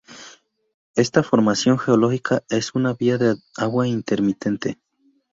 Esta formación geológica es una vía de agua intermitente.